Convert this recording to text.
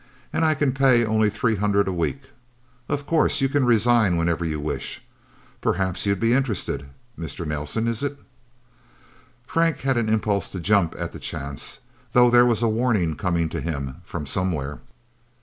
And I can pay only three hundred a week. Of course you can resign whenever you wish. Perhaps you'd be interested Mr. Nelsen, is it?" Frank had an impulse to jump at the chance though there was a warning coming to him from somewhere.